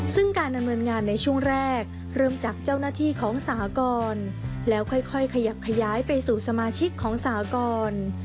ซึ่งการดำเนินงานในช่วงแรกเริ่มจากเจ้าหน้าที่ของสหกรแล้วค่อยขยับขยายไปสู่สมาชิกของสหกร